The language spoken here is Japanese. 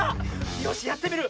よしやってみる。